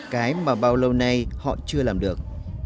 cái mà bao lâu nay họ chưa làm được